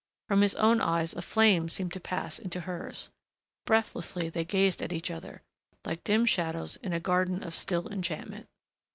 From his own eyes a flame seemed to pass into hers.... Breathlessly they gazed at each other ... like dim shadows in a garden of still enchantment.